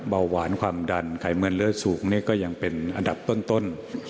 เบาหวานความดันไขมันเลือดสูงนี่ก็ยังเป็นอันดับต้น